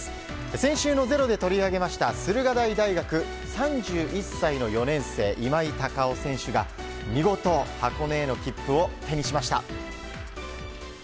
先週の「ｚｅｒｏ」で取り上げました駿河台大学、３１歳の４年生今井隆生選手が見事、箱根への切符を手にしました。